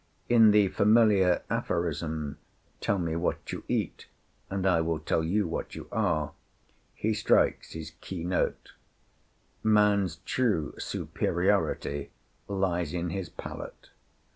In the familiar aphorism, "Tell me what you eat, and I will tell you what you are", he strikes his key note; man's true superiority lies in his palate!